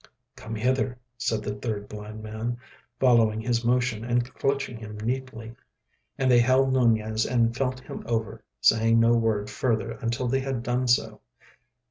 "Come hither," said the third blind man, following his motion and clutching him neatly. And they held Nunez and felt him over, saying no word further until they had done so.